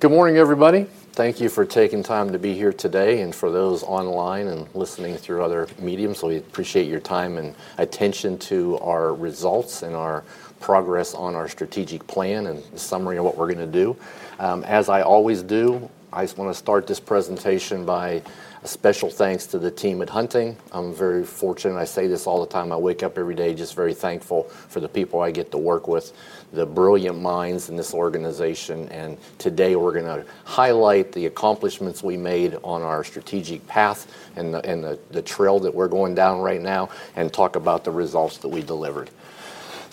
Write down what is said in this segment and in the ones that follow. Good morning, everybody. Thank you for taking time to be here today and for those online and listening through other mediums. We appreciate your time and attention to our results and our progress on our strategic plan and the summary of what we're going to do. As I always do, I just want to start this presentation by a special thanks to the team at Hunting. I'm very fortunate, and I say this all the time. I wake up every day just very thankful for the people I get to work with, the brilliant minds in this organization. Today we're going to highlight the accomplishments we made on our strategic path and the trail that we're going down right now and talk about the results that we delivered.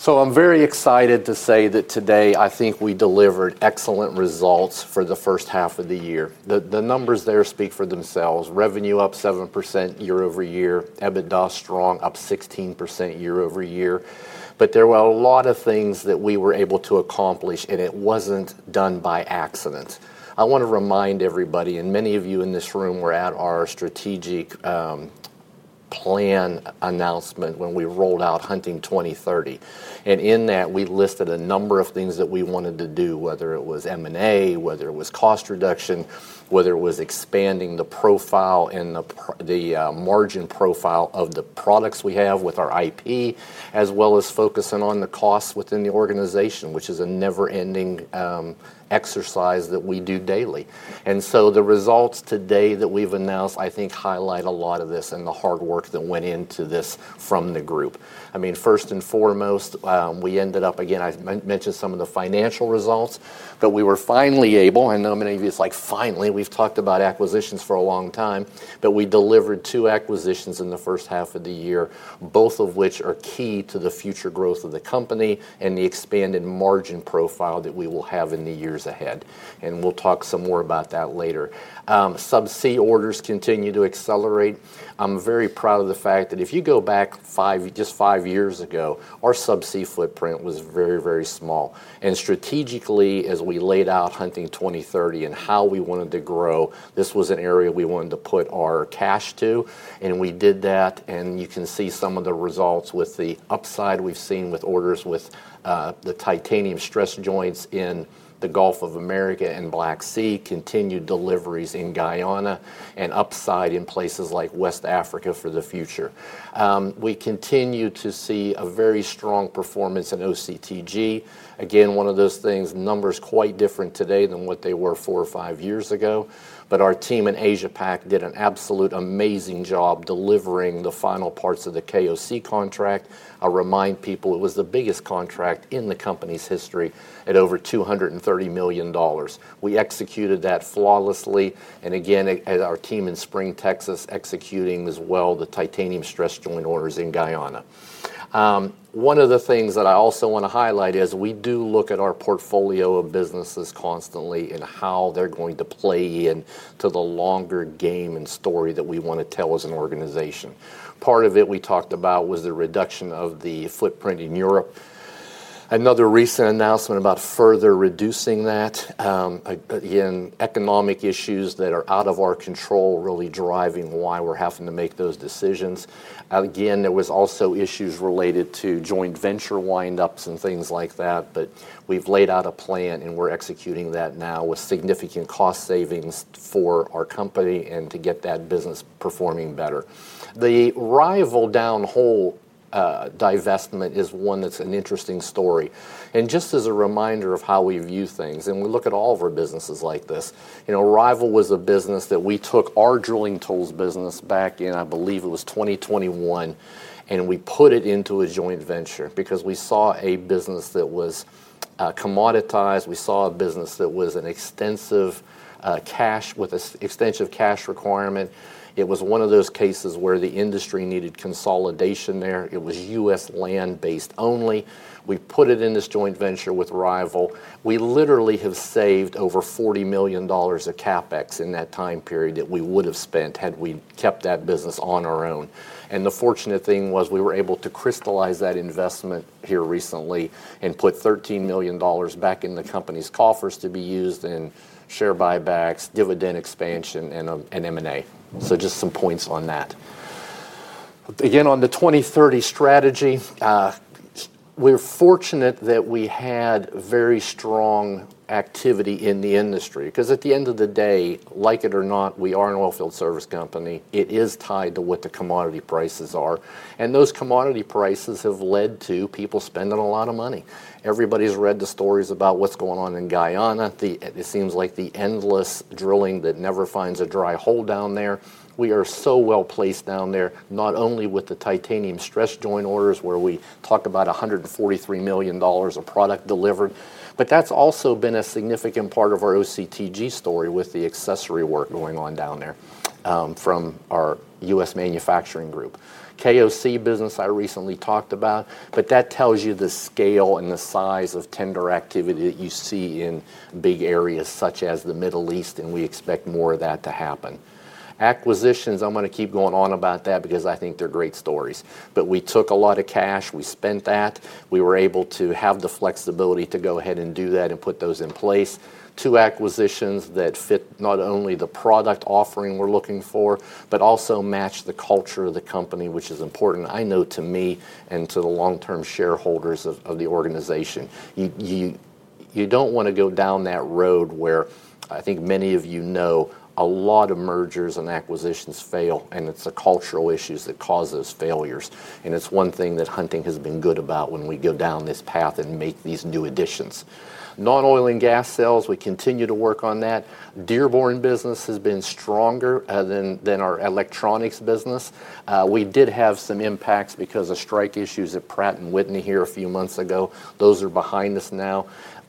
I'm very excited to say that today I think we delivered excellent results for the first half of the year. The numbers there speak for themselves. Revenue up 7% year-over-year, EBITDA strong, up 16% year-over-year. There were a lot of things that we were able to accomplish, and it wasn't done by accident. I want to remind everybody, and many of you in this room were at our strategic plan announcement when we rolled out Hunting 2030. In that, we listed a number of things that we wanted to do, whether it was M&A, whether it was cost reduction, whether it was expanding the profile and the margin profile of the products we have with our IP, as well as focusing on the costs within the organization, which is a never-ending exercise that we do daily. The results today that we've announced, I think, highlight a lot of this and the hard work that went into this from the group. First and foremost, I mentioned some of the financial results, but we were finally able, I know many of you are like, finally, we've talked about acquisitions for a long time, but we delivered two acquisitions in the first half of the year, both of which are key to the future growth of the company and the expanded margin profile that we will have in the years ahead. We'll talk some more about that later. Subsea orders continue to accelerate. I'm very proud of the fact that if you go back just five years ago, our subsea footprint was very, very small. Strategically, as we laid out Hunting 2030 and how we wanted to grow, this was an area we wanted to put our cash to. We did that, and you can see some of the results with the upside we've seen with orders with the titanium stress joints in the Gulf of America and Black Sea, continued deliveries in Guyana, and upside in places like West Africa for the future. We continue to see a very strong performance in OCTG. Again, one of those things, numbers quite different today than what they were four or five years ago. Our team in AsiaPac did an absolute amazing job delivering the final parts of the KOC contract. I remind people it was the biggest contract in the company's history at over $230 million. We executed that flawlessly. Our team in Spring, Texas, executing as well, the titanium stress joint orders in Guyana. One of the things that I also want to highlight is we do look at our portfolio of businesses constantly and how they're going to play into the longer game and story that we want to tell as an organization. Part of it we talked about was the reduction of the footprint in Europe. Another recent announcement about further reducing that. Economic issues that are out of our control really driving why we're having to make those decisions. There were also issues related to joint venture windups and things like that. We've laid out a plan and we're executing that now with significant cost savings for our company and to get that business performing better. The rival downhole divestment is one that's an interesting story. Just as a reminder of how we view things, and we look at all of our businesses like this, rival was a business that we took our drilling tools business back in, I believe it was 2021, and we put it into a joint venture because we saw a business that was commoditized. We saw a business that was an extensive cash requirement. It was one of those cases where the industry needed consolidation there. It was U.S. land-based only. We put it in this joint venture with Rival. We literally have saved over $40 million of CapEx in that time period that we would have spent had we kept that business on our own. The fortunate thing was we were able to crystallize that investment here recently and put $13 million back in the company's coffers to be used in share buybacks, dividend expansion, and M&A. Just some points on that. On the 2030 strategy, we're fortunate that we had very strong activity in the industry because at the end of the day, like it or not, we are an oilfield service company. It is tied to what the commodity prices are. Those commodity prices have led to people spending a lot of money. Everybody's read the stories about what's going on in Guyana. It seems like the endless drilling that never finds a dry hole down there. We are so well placed down there, not only with the titanium stress joint orders where we talk about $143 million of product delivered, but that's also been a significant part of our OCTG story with the accessory work going on down there from our U.S. manufacturing group. KOC business I recently talked about, but that tells you the scale and the size of tender activity that you see in big areas such as the Middle East, and we expect more of that to happen. Acquisitions, I'm going to keep going on about that because I think they're great stories. We took a lot of cash, we spent that, we were able to have the flexibility to go ahead and do that and put those in place. Two acquisitions that fit not only the product offering we're looking for, but also match the culture of the company, which is important, I know, to me and to the long-term shareholders of the organization. You don't want to go down that road where I think many of you know a lot of mergers and acquisitions fail, and it's the cultural issues that cause those failures. It's one thing that Hunting has been good about when we go down this path and make these new additions. Non-oil and gas sales, we continue to work on that. Dearborn business has been stronger than our electronics business. We did have some impacts because of strike issues at Pratt & Whitney here a few months ago. Those are behind us now.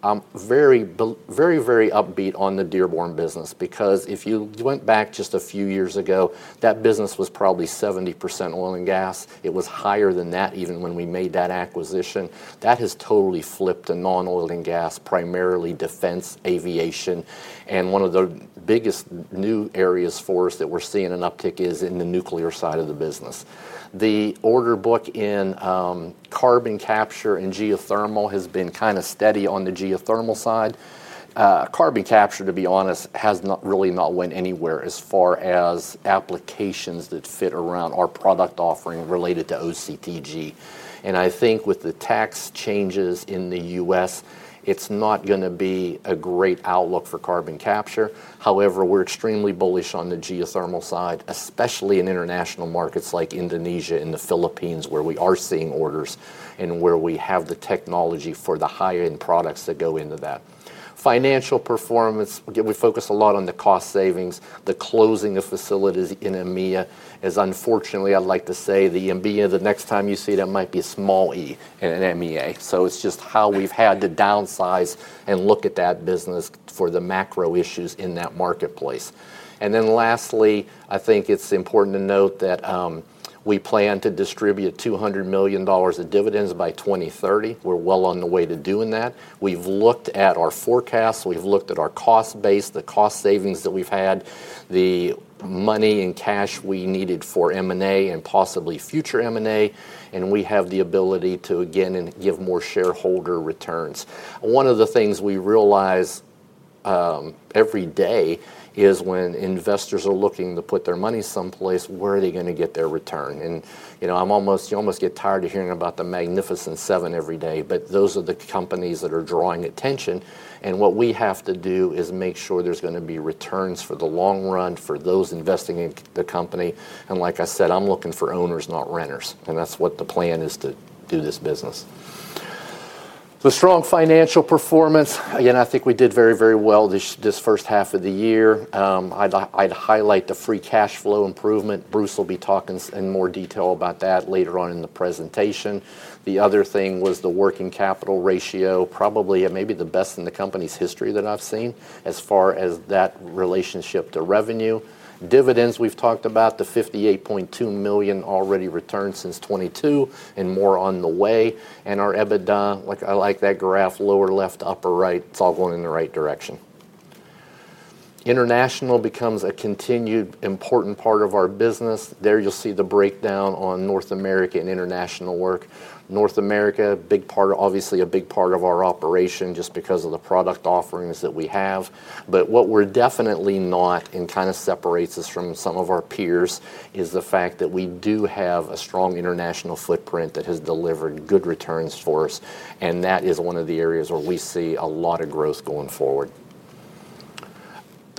I'm very, very, very upbeat on the Dearborn business because if you went back just a few years ago, that business was probably 70% oil and gas. It was higher than that even when we made that acquisition. That has totally flipped to non-oil and gas, primarily defense, aviation. One of the biggest new areas for us that we're seeing an uptick is in the nuclear side of the business. The order book in carbon capture and geothermal has been kind of steady on the geothermal side. Carbon capture, to be honest, has not really went anywhere as far as applications that fit around our product offering related to OCTG. I think with the tax changes in the U.S., it's not going to be a great outlook for carbon capture. However, we're extremely bullish on the geothermal side, especially in international markets like Indonesia and the Philippines, where we are seeing orders and where we have the technology for the high-end products that go into that. Financial performance, we focus a lot on the cost savings, the closing of facilities in EMEA, as unfortunately I'd like to say the EMEA, the next time you see that might be a small E in an MEA. It's just how we've had to downsize and look at that business for the macro issues in that marketplace. Lastly, I think it's important to note that we plan to distribute $200 million of dividends by 2030. We're well on the way to doing that. We've looked at our forecasts, we've looked at our cost base, the cost savings that we've had, the money and cash we needed for M&A and possibly future M&A, and we have the ability to, again, give more shareholder returns. One of the things we realize every day is when investors are looking to put their money someplace, where are they going to get their return? I'm almost, you almost get tired of hearing about the Magnificent Seven every day, but those are the companies that are drawing attention. What we have to do is make sure there's going to be returns for the long run for those investing in the company. Like I said, I'm looking for owners, not renters. That's what the plan is to do this business. Strong financial performance. Again, I think we did very, very well this first half of the year. I'd highlight the free cash flow improvement. Bruce will be talking in more detail about that later on in the presentation. The other thing was the working capital ratio, probably maybe the best in the company's history that I've seen as far as that relationship to revenue. Dividends, we've talked about the $58.2 million already returned since 2022 and more on the way. Our EBITDA, like I like that graph, lower left, upper right, it's all going in the right direction. International becomes a continued important part of our business. There you'll see the breakdown on North America and international work. North America, obviously a big part of our operation just because of the product offerings that we have. What we're definitely not, and kind of separates us from some of our peers, is the fact that we do have a strong international footprint that has delivered good returns for us. That is one of the areas where we see a lot of growth going forward.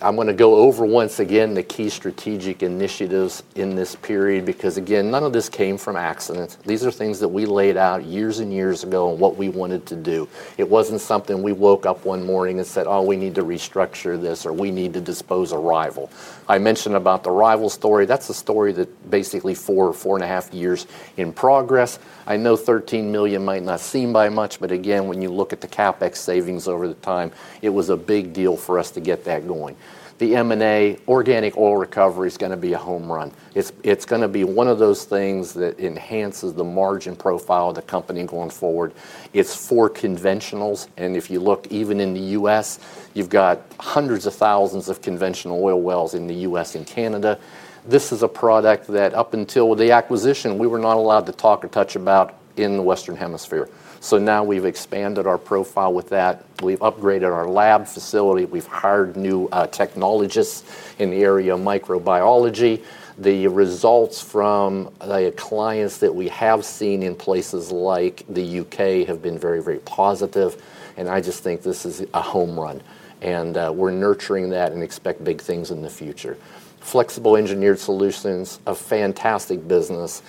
I'm going to go over once again the key strategic initiatives in this period because, again, none of this came from accident. These are things that we laid out years and years ago and what we wanted to do. It wasn't something we woke up one morning and said, "Oh, we need to restructure this," or, "We need to dispose of Rival." I mentioned about the Rival story. That's a story that's basically four or four and a half years in progress. I know $13 million might not seem by much, but again, when you look at the CapEx savings over the time, it was a big deal for us to get that going. The M&A, Organic Oil Recovery is going to be a home run. It's going to be one of those things that enhances the margin profile of the company going forward. It's for conventionals. If you look even in the U.S., you've got hundreds of thousands of conventional oil wells in the U.S. and Canada. This is a product that up until the acquisition, we were not allowed to talk or touch about in the Western Hemisphere. Now we've expanded our profile with that. We've upgraded our lab facility. We've hired new technologists in the area of microbiology. The results from the clients that we have seen in places like the U.K. have been very, very positive. I just think this is a home run. We're nurturing that and expect big things in the future. Flexible Engineered Solutions, a fantastic business.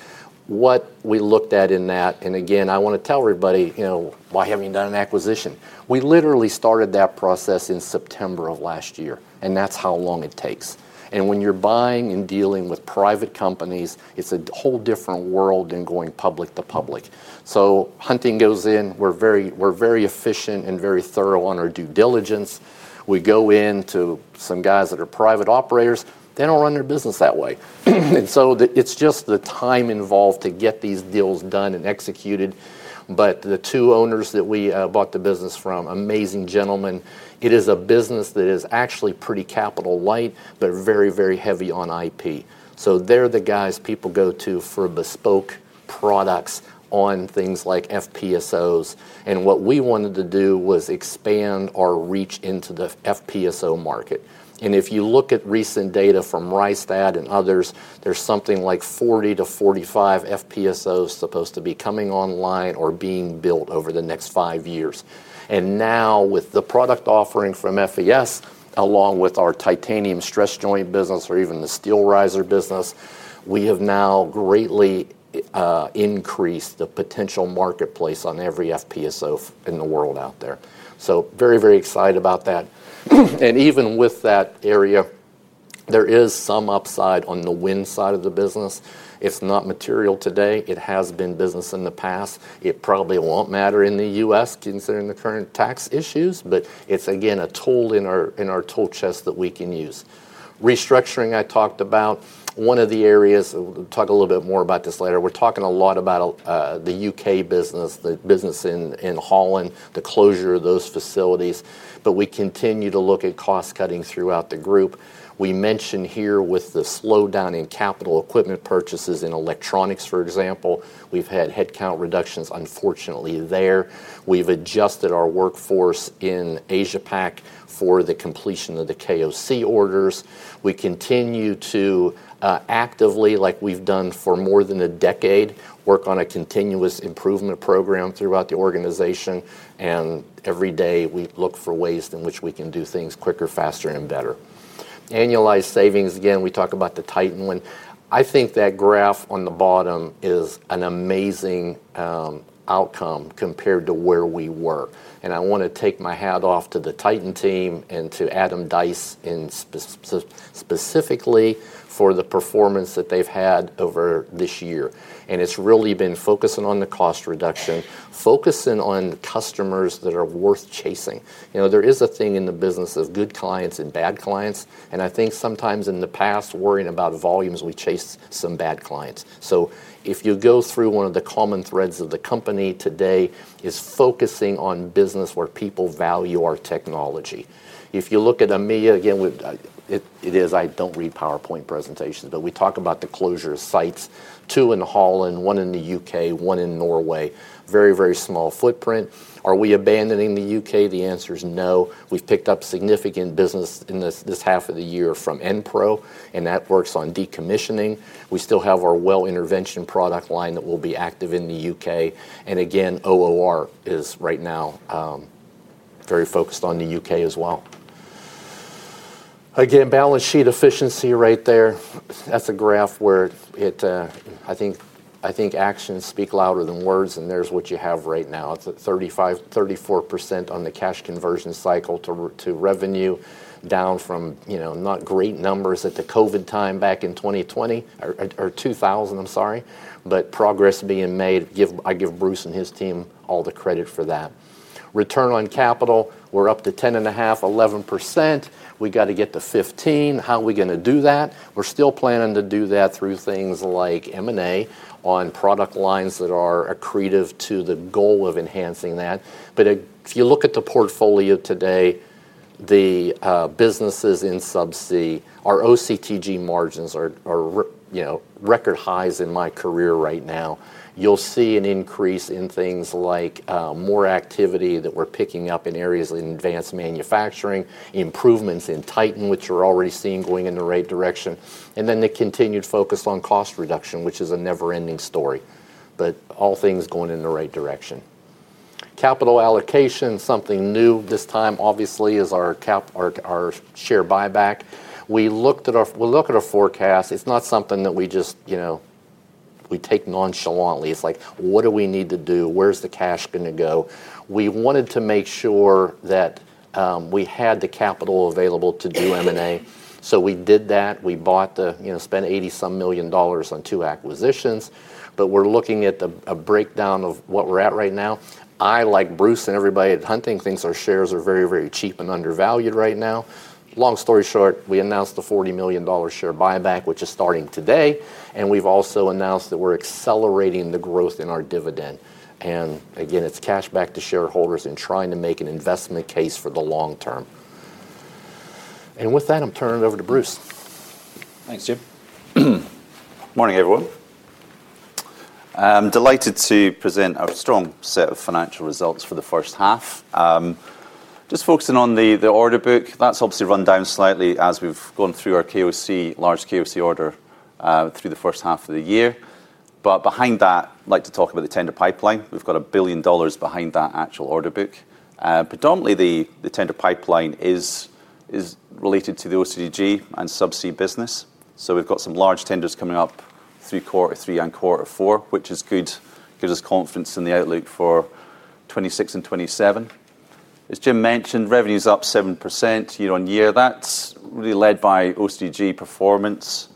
What we looked at in that, and again, I want to tell everybody, you know, why haven't you done an acquisition? We literally started that process in September of last year. That's how long it takes. When you're buying and dealing with private companies, it's a whole different world than going public to public. Hunting goes in, we're very efficient and very thorough on our due diligence. We go into some guys that are private operators, they don't run their business that way. It's just the time involved to get these deals done and executed. The two owners that we bought the business from, amazing gentlemen, it is a business that is actually pretty capital-light, but very, very heavy on IP. They're the guys people go to for bespoke products on things like FPSOs. What we wanted to do was expand our reach into the FPSO market. If you look at recent data from Rystad and others, there's something like 40-45 FPSOs supposed to be coming online or being built over the next five years. Now with the product offering from FES, along with our titanium stress joint business or even the steel riser business, we have now greatly increased the potential marketplace on every FPSO in the world out there. Very, very excited about that. Even with that area, there is some upside on the wind side of the business. It's not material today. It has been business in the past. It probably won't matter in the U.S. considering the current tax issues, but it's again a tool in our tool chest that we can use. Restructuring, I talked about one of the areas, we'll talk a little bit more about this later. We're talking a lot about the U.K. business, the business in Holland, the closure of those facilities. We continue to look at cost cutting throughout the group. We mentioned here with the slowdown in capital equipment purchases in electronics, for example, we've had headcount reductions, unfortunately, there. We've adjusted our workforce in AsiaPac for the completion of the KOC orders. We continue to actively, like we've done for more than a decade, work on a continuous improvement program throughout the organization. Every day we look for ways in which we can do things quicker, faster, and better. Annualized savings, again, we talk about the Titan one. I think that graph on the bottom is an amazing outcome compared to where we were. I want to take my hat off to the Titan team and to Adam Deiss specifically for the performance that they've had over this year. It's really been focusing on the cost reduction, focusing on customers that are worth chasing. There is a thing in the business of good clients and bad clients. I think sometimes in the past, worrying about volumes, we chased some bad clients. If you go through one of the common threads of the company today, it's focusing on business where people value our technology. If you look at EMEA, again, I don't read PowerPoint presentations, but we talk about the closure of sites, two in Holland, one in the U.K., one in Norway, very, very small footprint. Are we abandoning the U.K.? The answer is no. We've picked up significant business in this half of the year from Enpro, and that works on decommissioning. We still have our well intervention product line that will be active in the U.K. Again, OOR is right now very focused on the U.K. as well. Again, balance sheet efficiency right there. That's a graph where it, I think actions speak louder than words, and there's what you have right now. It's at 34% on the cash conversion cycle to revenue, down from, you know, not great numbers at the COVID time back in 2020, but progress being made. I give Bruce and his team all the credit for that. Return on capital, we're up to 10.5%, 11%. We got to get to 15%. How are we going to do that? We're still planning to do that through things like M&A on product lines that are accretive to the goal of enhancing that. If you look at the portfolio today, the businesses in subsea, our OCTG margins are record highs in my career right now. You'll see an increase in things like more activity that we're picking up in areas in Advanced Manufacturing, improvements in Titan, which you're already seeing going in the right direction, and then the continued focus on cost reduction, which is a never-ending story. All things going in the right direction. Capital allocation, something new this time, obviously, is our share buyback. We looked at our, we'll look at our forecast. It's not something that we just, you know, we take nonchalantly. It's like, what do we need to do? Where's the cash going to go? We wanted to make sure that we had the capital available to do M&A. We did that. We bought the, you know, spent $80 million on two acquisitions. We're looking at a breakdown of what we're at right now. I, like Bruce and everybody at Hunting, think our shares are very, very cheap and undervalued right now. Long story short, we announced the $40 million share buyback, which is starting today. We've also announced that we're accelerating the growth in our dividend. Again, it's cashback to shareholders and trying to make an investment case for the long term. With that, I'm turning it over to Bruce. Thanks, Jim. Morning, everyone. I'm delighted to present a strong set of financial results for the first half. Just focusing on the order book, that's obviously run down slightly as we've gone through our large KOC order through the first half of the year. Behind that, I'd like to talk about the tender pipeline. We've got $1 billion behind that actual order book. Predominantly, the tender pipeline is related to the OCTG and subsea business. We've got some large tenders coming up in Q3 and Q4, which is good. It gives us confidence in the outlook for 2026 and 2027. As Jim mentioned, revenue is up 7% year on year. That's really led by OCTG performance.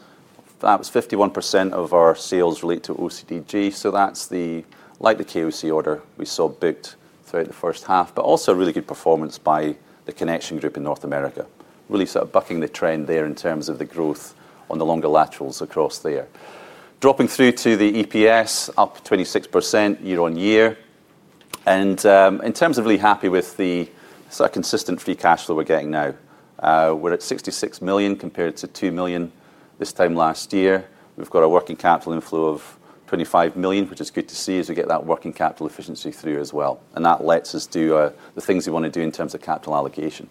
That was 51% of our sales related to OCTG. That's the, like the KOC order we saw booked throughout the first half, but also a really good performance by the connection group in North America, really sort of bucking the trend there in terms of the growth on the longer laterals across there. Dropping through to the EPS, up 26% year on year. In terms of really happy with the sort of consistent free cash flow we're getting now, we're at $66 million compared to $2 million this time last year. We've got a working capital inflow of $25 million, which is good to see as we get that working capital efficiency through as well. That lets us do the things we want to do in terms of capital allocation.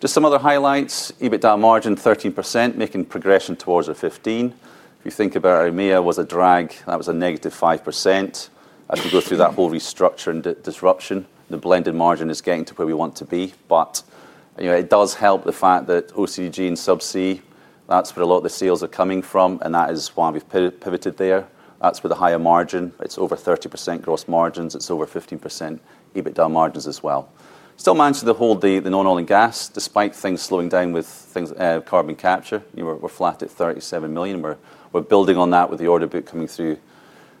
Just some other highlights. EBITDA margin, 13%, making progression towards the 15%. If you think about EMEA, it was a drag. That was a -5% as we go through that whole restructure and disruption. The blended margin is getting to where we want to be. It does help the fact that OCTG and subsea, that's where a lot of the sales are coming from. That is why we've pivoted there. That's where the higher margin, it's over 30% gross margins. It's over 15% EBITDA margins as well. Still managed to hold the non-oil and gas, despite things slowing down with carbon capture. We're flat at $37 million. We're building on that with the order book coming through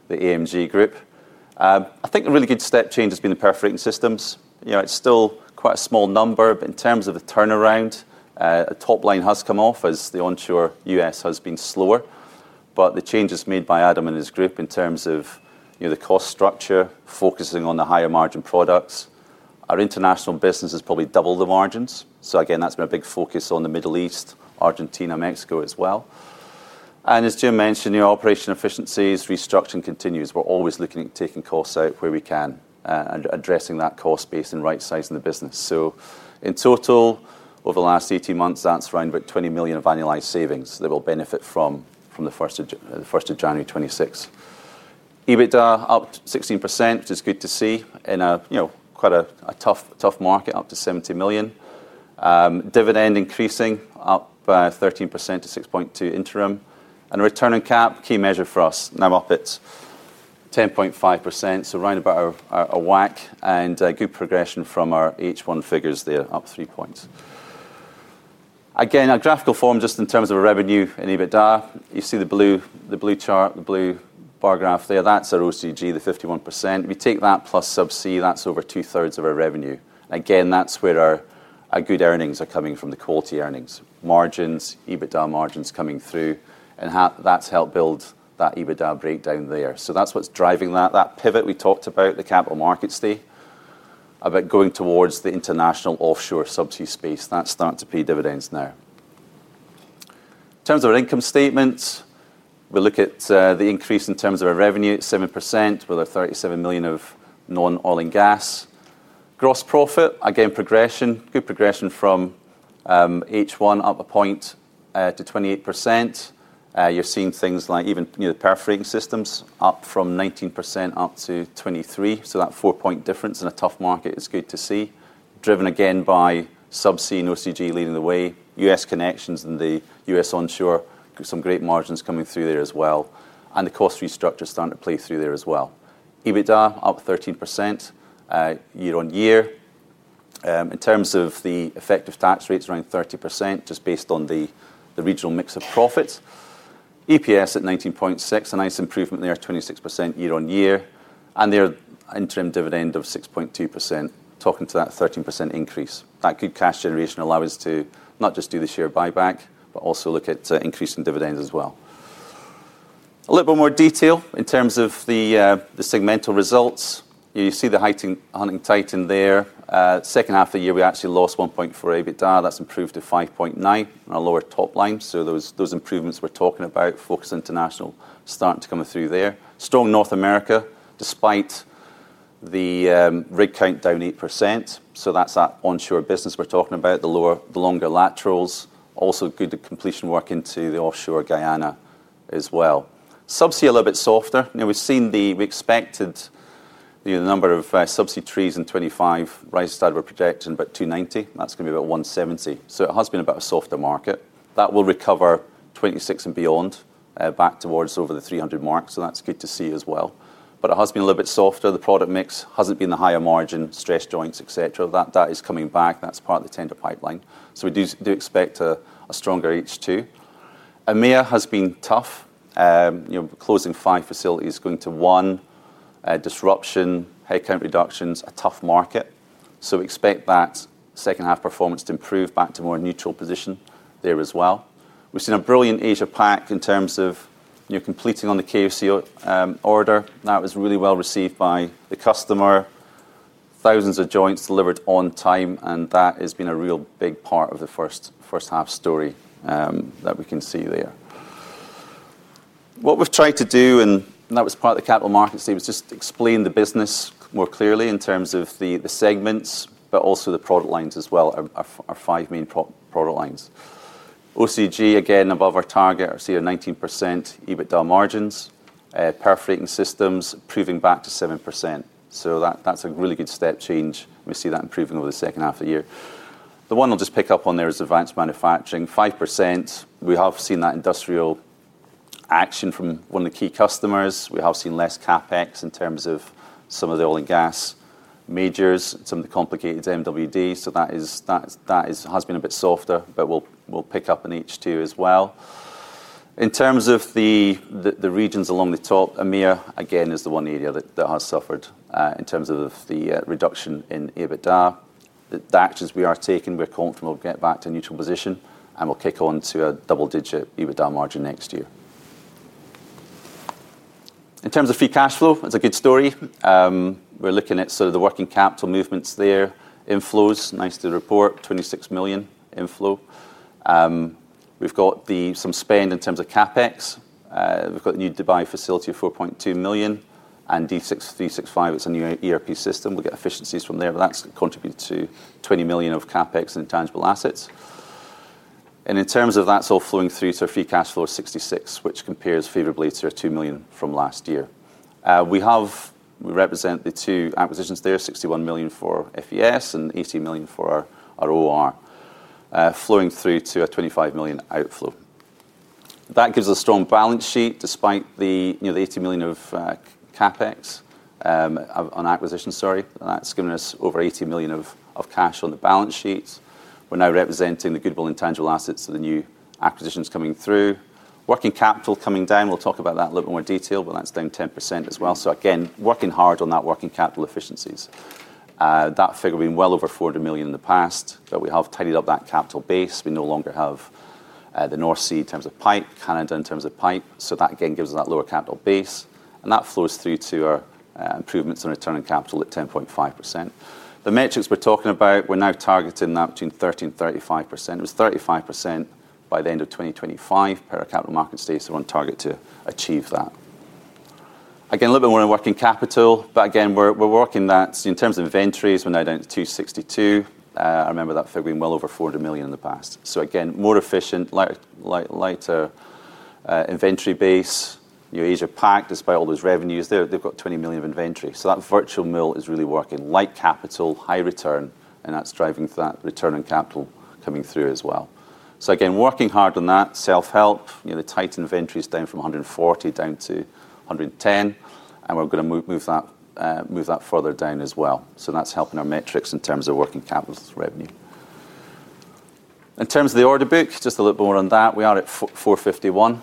the AMG group. I think a really good step change has been the perforating systems. It's still quite a small number, but in terms of the turnaround, a top line has come off as the onshore U.S. has been slower. The changes made by Adam and his group in terms of the cost structure, focusing on the higher margin products, our international business has probably doubled the margins. That's been a big focus on the Middle East, Argentina, Mexico as well. As Jim mentioned, operational efficiencies, restructuring continues. We're always looking at taking costs out where we can and addressing that cost base and right sizing the business. In total, over the last 18 months, that's around $20 million of annualized savings that will benefit from 1st of January, 2026. EBITDA up 16%, which is good to see in quite a tough market, up to $70 million. Dividend increasing up 13% to 6.2% interim. Return on cap, key measure for us, now up at 10.5%. That's right about a whack and good progression from our H1 figures there, up three points. Again, a graphical form just in terms of revenue and EBITDA. You see the blue chart, the blue bar graph there. That's our OCTG, the 51%. If you take that plus subsea, that's over 2/3 of our revenue. Again, that's where our good earnings are coming from, the quality earnings. Margins, EBITDA margins coming through. That's helped build that EBITDA breakdown there. That's what's driving that. That pivot we talked about, the capital markets there, about going towards the international offshore subsea space. That's starting to pay dividends now. In terms of our income statements, we look at the increase in terms of our revenue at 7% with $37 million of non-oil and gas. Gross profit, again, progression, good progression from H1 up a point to 28%. You're seeing things like even the perforating systems up from 19% up to 23%. That four-point difference in a tough market is good to see. Driven again by subsea and OCTG leading the way. U.S. connections and the U.S. onshore, some great margins coming through there as well. The cost restructures starting to play through there as well. EBITDA up 13% year on year. In terms of the effective tax rates, around 30% just based on the regional mix of profits. EPS at 19.6%, a nice improvement there, 26% year on year. The interim dividend of 6.2%, talking to that 13% increase. That good cash generation allowed us to not just do the share buyback, but also look at increasing dividends as well. A little bit more detail in terms of the segmental results. You see the Hunting Titan there. Second half of the year, we actually lost 1.4% EBITDA. That's improved to 5.9% on our lower top line. Those improvements we're talking about, focus international, starting to come through there. Strong North America, despite the rig count down 8%. That's that onshore business we're talking about, the longer laterals. Also good completion work into the offshore Guyana as well. Subsea a little bit softer. We expected the number of subsea trees in 2025, Rystad were projecting about 290. That's going to be about 170. It has been a bit of a softer market. That will recover in 2026 and beyond, back towards over the 300 mark. That's good to see as well. It has been a little bit softer. The product mix hasn't been the higher margin, stress joints, et cetera. That is coming back. That's part of the tender pipeline. We do expect a stronger H2. EMEA has been tough. Closing five facilities, going to one, disruption, headcount reductions, a tough market. We expect that second half performance to improve back to a more neutral position there as well. We've seen a brilliant AsiaPac in terms of completing on the KOC order. That was really well received by the customer. Thousands of joints delivered on time, and that has been a real big part of the first half story that we can see there. What we've tried to do, and that was part of the capital markets, was just explain the business more clearly in terms of the segments, but also the product lines as well, our five main product lines. OCTG, again, above our target, I see a 19% EBITDA margin. Perforating Systems improving back to 7%. That's a really good step change. We see that improving over the second half of the year. The one I'll just pick up on there is Advanced Manufacturing, 5%. We have seen that industrial action from one of the key customers. We have seen less CapEx in terms of some of the oil and gas majors, some of the complicated MWDs. That has been a bit softer, but we'll pick up in H2 as well. In terms of the regions along the top, EMEA, again, is the one area that has suffered in terms of the reduction in EBITDA. The actions we are taking, we're confident we'll get back to a neutral position and we'll kick on to a double-digit EBITDA margin next year. In terms of free cash flow, it's a good story. We're looking at sort of the working capital movements there. Inflows, nice to report, $26 million inflow. We've got some spend in terms of CapEx. We've got a new Dubai facility of $4.2 million. [D365], it's a new ERP system. We'll get efficiencies from there, but that's contributed to $20 million of CapEx and intangible assets. In terms of that's all flowing through to a free cash flow of $66 million, which compares favorably to $2 million from last year. We represent the two acquisitions there, $61 million for FES and $18 million for OOR, flowing through to a $25 million outflow. That gives us a strong balance sheet despite the $80 million of CapEx on acquisitions, sorry. That's given us over $80 million of cash on the balance sheets. We're now representing the goodwill intangible assets of the new acquisitions coming through. Working capital coming down, we'll talk about that in a little bit more detail, but that's down 10% as well. Again, working hard on that working capital efficiencies. That figure being well over $400 million in the past, but we have tidied up that capital base. We no longer have the North Sea in terms of pipe, Canada in terms of pipe. That again gives us that lower capital base. That flows through to our improvements on return on capital at 10.5%. The metrics we're talking about, we're now targeting that between 30% and 35%. It was 35% by the end of 2025 per capital market stage, so we're on target to achieve that. Again, a little bit more on working capital, but again, we're working that in terms of inventories, we're now down to $262 million. I remember that figure being well over $400 million in the past. Again, more efficient, lighter inventory base. AsiaPac, despite all those revenues, they've got $20 million of inventory. That virtual mill is really working, light capital, high return, and that's driving that return on capital coming through as well. Again, working hard on that, self-help, the Titan inventory is down from $140 million down to $110 million, and we're going to move that further down as well. That's helping our metrics in terms of working capital revenue. In terms of the order book, just a little bit more on that, we are at $451 million.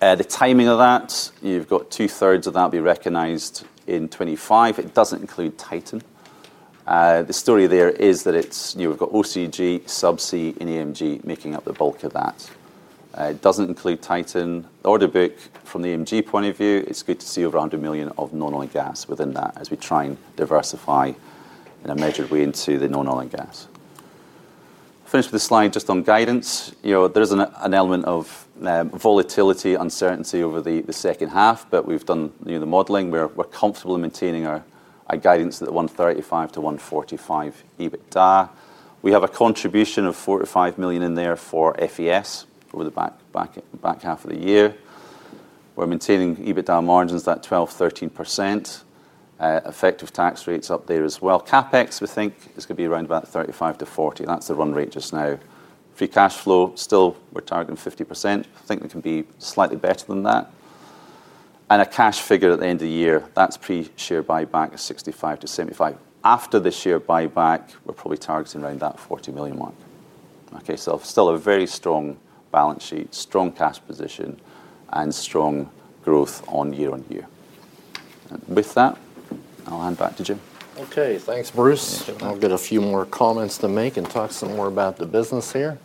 The timing of that, you've got 2/3 of that will be recognized in 2025. It doesn't include Titan. The story there is that we've got OCTG, subsea, and EMG making up the bulk of that. It doesn't include Titan. The order book from the EMG point of view, it's good to see over $100 million of non-oil and gas within that as we try and diversify in a measured way into the non-oil and gas. Finish with a slide just on guidance. There is an element of volatility, uncertainty over the second half, but we've done the modeling. We're comfortable in maintaining our guidance at $135 million-$145 million EBITDA. We have a contribution of $45 million in there for FES over the back half of the year. We're maintaining EBITDA margins at 12%, 13%. Effective tax rates up there as well. CapEx, we think, is going to be around about $35 million-$40 million. That's the run rate just now. Free cash flow, still we're targeting 50%. I think it can be slightly better than that. A cash figure at the end of the year, that's pre-share buyback of $65 million-$75 million. After the share buyback, we're probably targeting around that $40 million mark. Okay, still a very strong balance sheet, strong cash position, and strong growth on year on year. With that, I'll hand back to Jim. Okay, thanks, Bruce. I'll get a few more comments to make and talk some more about the business here.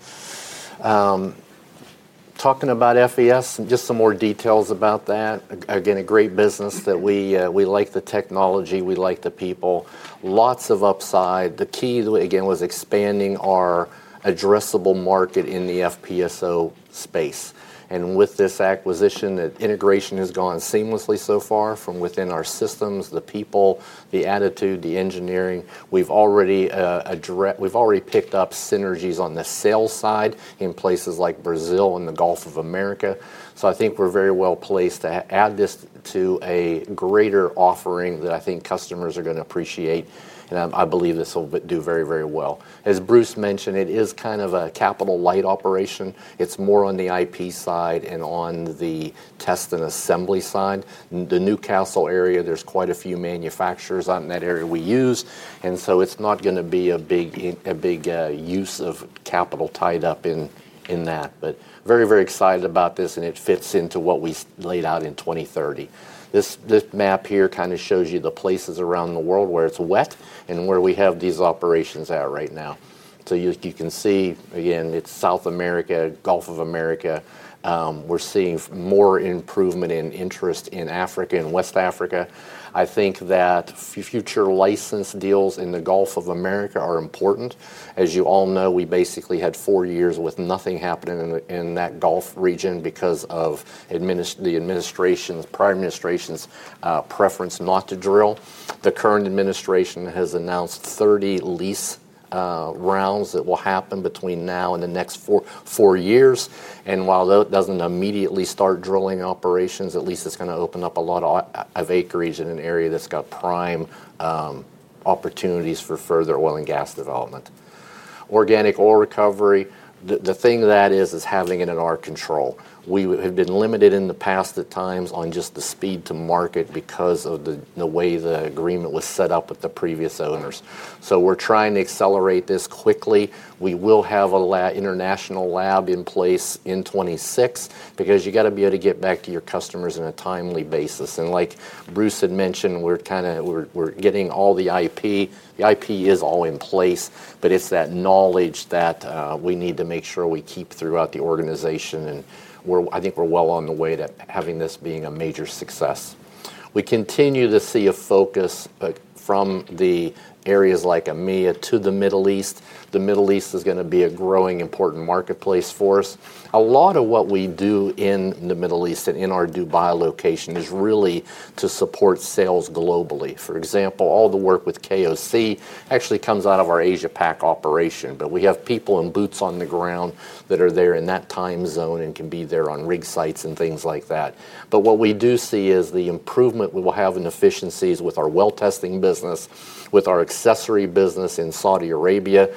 Talking about FES, just some more details about that. Again, a great business that we like the technology, we like the people, lots of upside. The key, again, was expanding our addressable market in the FPSO space. With this acquisition, the integration has gone seamlessly so far from within our systems, the people, the attitude, the engineering. We've already picked up synergies on the sales side in places like Brazil and the Gulf of America. I think we're very well placed to add this to a greater offering that I think customers are going to appreciate. I believe this will do very, very well. As Bruce mentioned, it is kind of a capital-light operation. It's more on the IP side and on the test and assembly side. The Newcastle area, there's quite a few manufacturers out in that area we use. It's not going to be a big use of capital tied up in that. Very, very excited about this, and it fits into what we laid out in 2030. This map here kind of shows you the places around the world where it's wet and where we have these operations at right now. You can see, again, it's South America, Gulf of America. We're seeing more improvement in interest in Africa and West Africa. I think that future license deals in the Gulf of America are important. As you all know, we basically had four years with nothing happening in that Gulf region because of the administration's prior preference not to drill. The current administration has announced 30 lease rounds that will happen between now and the next four years. While that doesn't immediately start drilling operations, at least it's going to open up a lot of acreage in an area that's got prime opportunities for further oil and gas development. Organic Oil Recovery, the thing that is, is having it in our control. We have been limited in the past at times on just the speed to market because of the way the agreement was set up with the previous owners. We're trying to accelerate this quickly. We will have an international lab in place in 2026 because you got to be able to get back to your customers on a timely basis. Like Bruce had mentioned, we're kind of getting all the IP. The IP is all in place, but it's that knowledge that we need to make sure we keep throughout the organization. I think we're well on the way to having this being a major success. We continue to see a focus from areas like EMEA to the Middle East. The Middle East is going to be a growing important marketplace for us. A lot of what we do in the Middle East and in our Dubai location is really to support sales globally. For example, all the KOC actually comes out of our AsiaPac operation, but we have people in boots on the ground that are there in that time zone and can be there on rig sites and things like that. What we do see is the improvement we will have in efficiencies with our well testing business, with our accessory business in Saudi Arabia.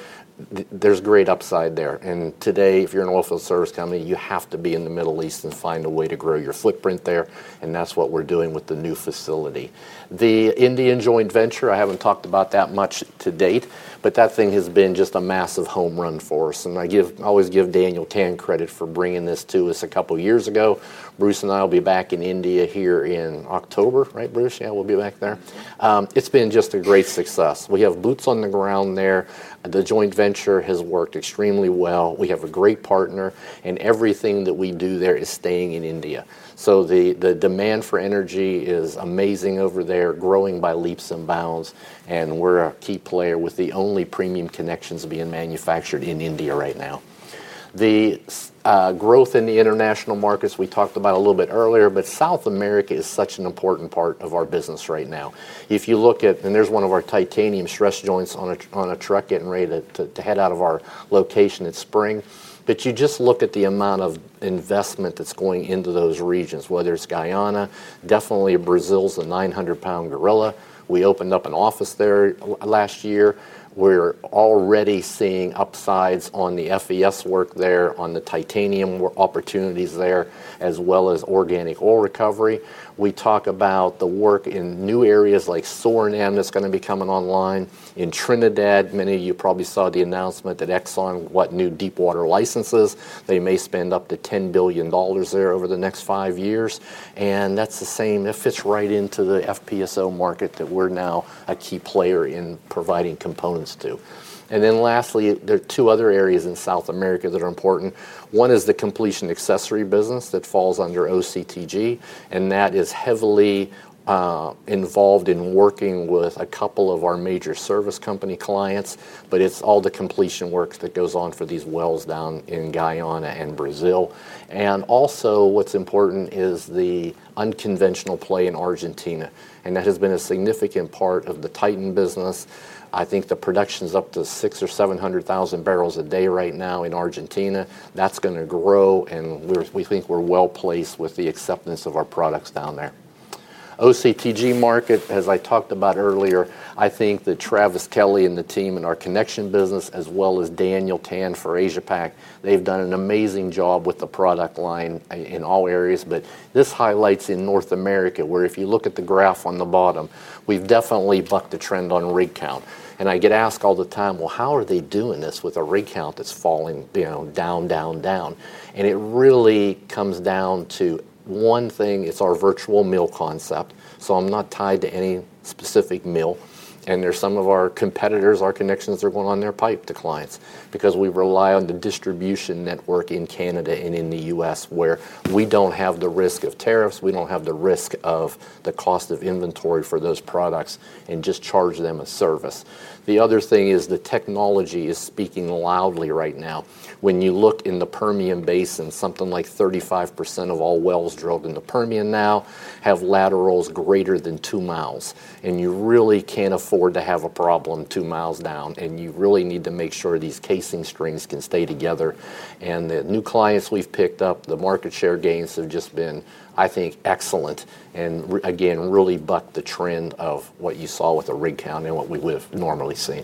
There's great upside there. Today, if you're an oilfield service company, you have to be in the Middle East and find a way to grow your footprint there. That's what we're doing with the new facility. The Indian joint venture, I haven't talked about that much to date, but that thing has been just a massive home run for us. I always give Daniel Tan credit for bringing this to us a couple of years ago. Bruce and I will be back in India here in October, right, Bruce? Yeah, we'll be back there. It's been just a great success. We have boots on the ground there. The joint venture has worked extremely well. We have a great partner, and everything that we do there is staying in India. The demand for energy is amazing over there, growing by leaps and bounds. We're a key player with the only premium connections being manufactured in India right now. The growth in the international markets we talked about a little bit earlier, but South America is such an important part of our business right now. If you look at, and there's one of our titanium stress joints on a truck getting ready to head out of our location in Spring, you just look at the amount of investment that's going into those regions, whether it's Guyana, definitely Brazil's a 900 lb gorilla. We opened up an office there last year. We're already seeing upsides on the FES work there, on the titanium opportunities there, as well as Organic Oil Recovery. We talk about the work in new areas like Suriname that's going to be coming online. In Trinidad, many of you probably saw the announcement that Exxon bought new deep water licenses. They may spend up to $10 billion there over the next five years. That fits right into the FPSO market that we're now a key player in providing components to. Lastly, there are two other areas in South America that are important. One is the completion accessory business that falls under OCTG, and that is heavily involved in working with a couple of our major service company clients, but it's all the completion work that goes on for these wells down in Guyana and Brazil. Also, what's important is the unconventional play in Argentina, and that has been a significant part of the Titan business. I think the production is up to six or seven hundred thousand barrels a day right now in Argentina. That's going to grow, and we think we're well placed with the acceptance of our products down there. OCTG market, as I talked about earlier, I think that Travis Kelly and the team in our connection business, as well as Daniel Tan for AsiaPac, they've done an amazing job with the product line in all areas. This highlights in North America, where if you look at the graph on the bottom, we've definitely bucked the trend on rig count. I get asked all the time, how are they doing this with a rig count that's falling down, down, down? It really comes down to one thing. It's our virtual mill concept. I'm not tied to any specific mill. There are some of our competitors, our connections are going on their pipe to clients because we rely on the distribution network in Canada and in the U.S., where we don't have the risk of tariffs. We don't have the risk of the cost of inventory for those products and just charge them a service. The other thing is the technology is speaking loudly right now. When you look in the Permian Basin, something like 35% of all wells drilled in the Permian now have laterals greater than 2 mi. You really can't afford to have a problem 2 mi down, and you really need to make sure these casing strings can stay together. The new clients we've picked up, the market share gains have just been, I think, excellent. Again, really bucked the trend of what you saw with a rig count and what we would have normally seen.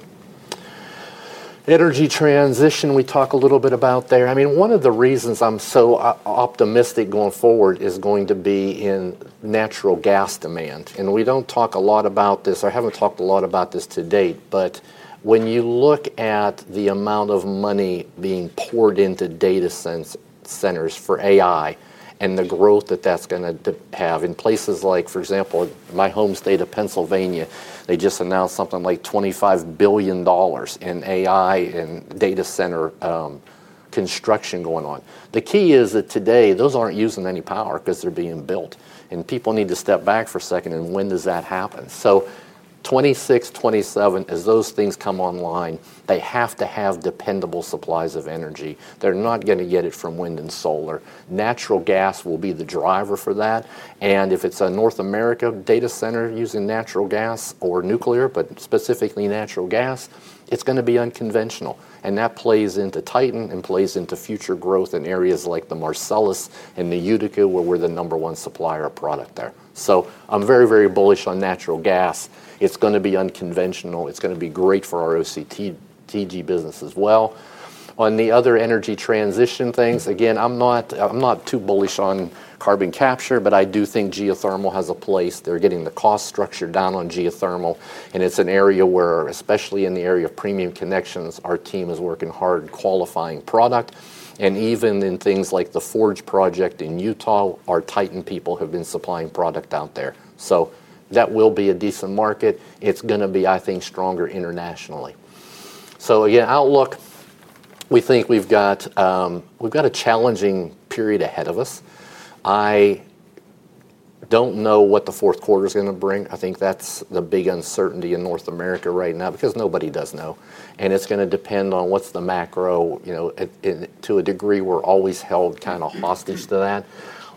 Energy transition, we talk a little bit about there. One of the reasons I'm so optimistic going forward is going to be in natural gas demand. We don't talk a lot about this, or I haven't talked a lot about this to date, but when you look at the amount of money being poured into data centers for AI and the growth that that's going to have in places like, for example, my home state of Pennsylvania, they just announced something like $25 billion in AI and data center construction going on. The key is that today those aren't using any power because they're being built. People need to step back for a second. When does that happen? 2026, 2027, as those things come online, they have to have dependable supplies of energy. They're not going to get it from wind and solar. Natural gas will be the driver for that. If it's a North America data center using natural gas or nuclear, but specifically natural gas, it's going to be unconventional. That plays into Titan and plays into future growth in areas like the Marcellus and the Utica, where we're the number one supplier of product there. I'm very, very bullish on natural gas. It's going to be unconventional. It's going to be great for our OCTG business as well. On the other energy transition things, again, I'm not too bullish on carbon capture, but I do think geothermal has a place. They're getting the cost structure down on geothermal. It's an area where, especially in the area of premium connections, our team is working hard qualifying product. Even in things like the Forge project in Utah, our Titan people have been supplying product out there. That will be a decent market. It's going to be, I think, stronger internationally. Outlook, we think we've got a challenging period ahead of us. I don't know what the fourth quarter is going to bring. I think that's the big uncertainty in North America right now because nobody does know. It's going to depend on what's the macro, you know, to a degree we're always held kind of hostage to that.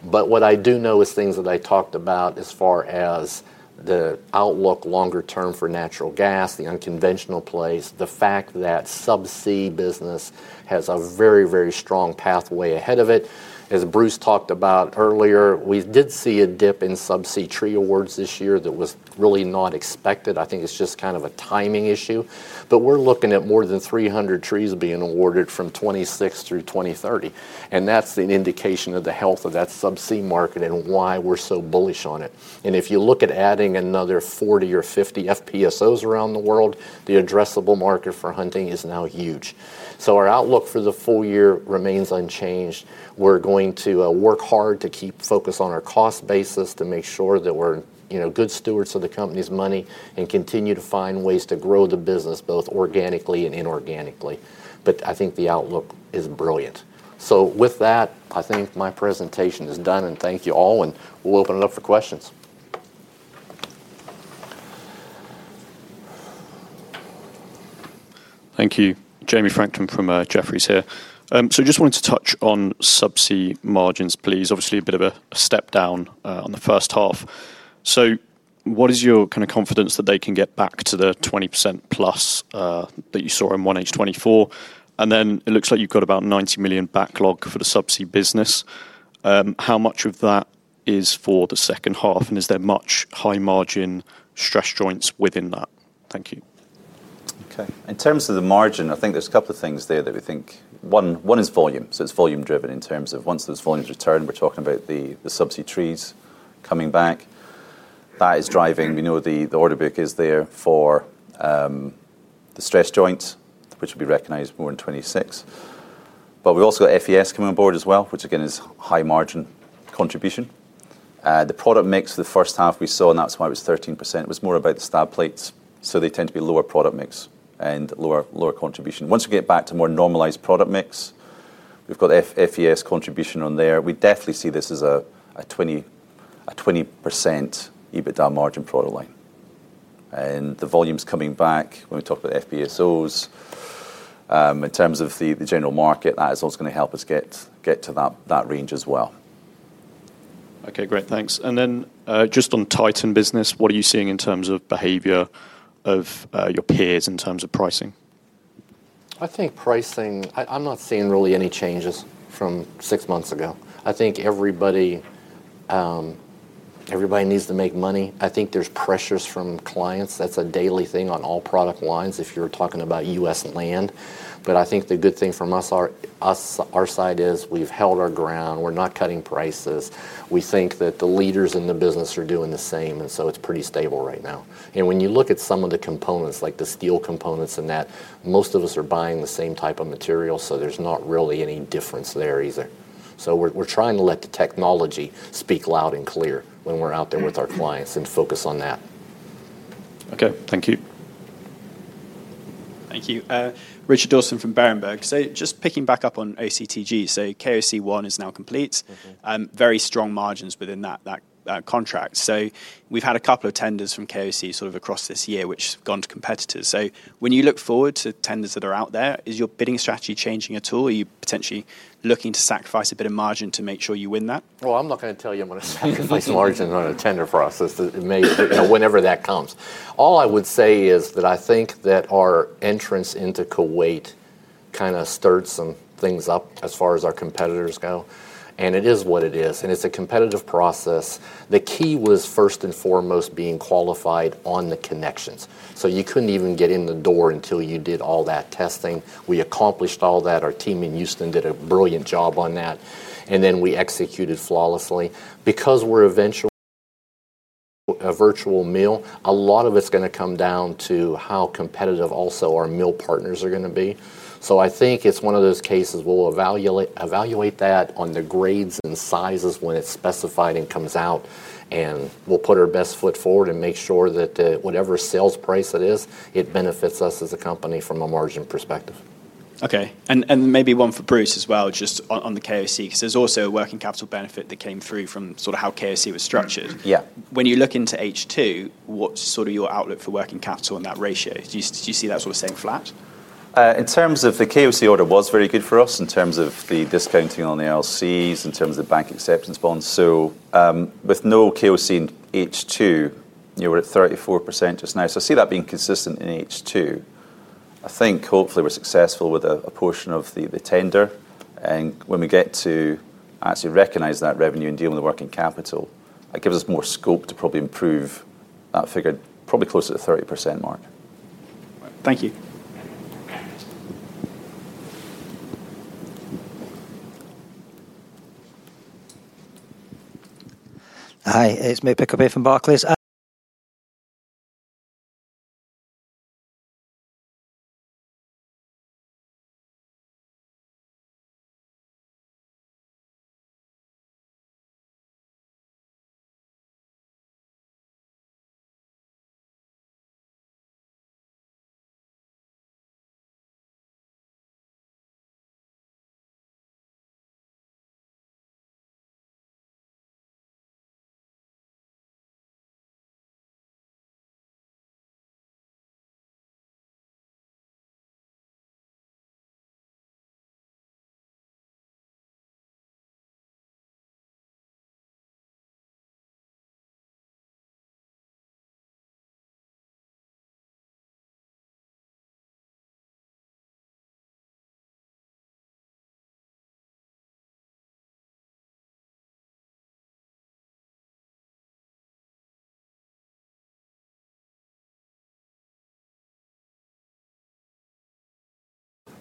What I do know is things that I talked about as far as the outlook longer term for natural gas, the unconventional place, the fact that subsea business has a very, very strong pathway ahead of it. As Bruce talked about earlier, we did see a dip in subsea tree awards this year that was really not expected. I think it's just kind of a timing issue. We're looking at more than 300 trees being awarded from 2026 through 2030. That's an indication of the health of that subsea market and why we're so bullish on it. If you look at adding another 40 or 50 FPSOs around the world, the addressable market for Hunting is now huge. Our outlook for the full year remains unchanged. We're going to work hard to keep focused on our cost basis to make sure that we're good stewards of the company's money and continue to find ways to grow the business both organically and inorganically. I think the outlook is brilliant. With that, I think my presentation is done. Thank you all. We'll open it up for questions. Thank you. [Jamie Franken] from Jefferies here. I just wanted to touch on subsea margins, please. Obviously, a bit of a step down on the first half. What is your kind of confidence that they can get back to the 20%+ that you saw in 1H 2024? It looks like you've got about $90 million backlog for the subsea business. How much of that is for the second half? Is there much high margin stress joints within that? Thank you. Okay. In terms of the margin, I think there's a couple of things there that we think. One is volume. It's volume driven in terms of once those volumes return, we're talking about the subsea trees coming back. That is driving, we know the order book is there for the stress joints, which will be recognized more in 2026. We've also FES coming on board as well, which again is high margin contribution. The product mix of the first half we saw, and that's why it was 13%, it was more about the stab plates. They tend to be lower product mix and lower contribution. Once we get back to more normalized product mix, we've got FES contribution on there. We definitely see this as a 20% EBITDA margin product line. The volume's coming back when we talk about FPSOs. In terms of the general market, that is what's going to help us get to that range as well. Okay, great, thanks. Just on Titan business, what are you seeing in terms of behavior of your peers in terms of pricing? I think pricing, I'm not seeing really any changes from six months ago. I think everybody needs to make money. I think there's pressures from clients. That's a daily thing on all product lines if you're talking about U.S. land. I think the good thing from our side is we've held our ground. We're not cutting prices. We think that the leaders in the business are doing the same. It's pretty stable right now. When you look at some of the components, like the steel components in that, most of us are buying the same type of material. There's not really any difference there either. We're trying to let the technology speak loud and clear when we're out there with our clients and focus on that. Okay, thank you. Thank you. Richard Dawson from Berenberg. Just picking back up on OCTG, KOC1 is now complete. Very strong margins within that contract. We've had a couple of tenders from KOC across this year, which have gone to competitors. When you look forward to tenders that are out there, is your bidding strategy changing at all? Are you potentially looking to sacrifice a bit of margin to make sure you win that? I'm not going to tell you I'm going to sacrifice margin on a tender process. It may, you know, whenever that comes. All I would say is that I think that our entrance into Kuwait kind of stirred some things up as far as our competitors go. It is what it is. It's a competitive process. The key was first and foremost being qualified on the connections. You couldn't even get in the door until you did all that testing. We accomplished all that. Our team in Houston did a brilliant job on that, and then we executed flawlessly. Because we're eventually a virtual mill, a lot of it's going to come down to how competitive also our mill partners are going to be. I think it's one of those cases we'll evaluate that on the grades and sizes when it's specified and comes out. We'll put our best foot forward and make sure that whatever sales price it is, it benefits us as a company from a margin perspective. Okay. Maybe one for Bruce as well, just on the KOC, because there's also a working capital benefit that came through from sort of how KOC was structured. Yeah. When you look into H2, what's sort of your outlook for working capital in that ratio? Do you see that sort of staying flat? In terms of the KOC order, it was very good for us in terms of the discounting on the LCs, in terms of bank acceptance bonds. With no KOC in H2, you're at 34% just now. I see that being consistent in H2. I think hopefully we're successful with a portion of the tender. When we get to actually recognize that revenue and deal with the working capital, it gives us more scope to probably improve that figure, probably closer to the 30% mark. Thank you. Hi, it's [May Pickerpay] from Barclays.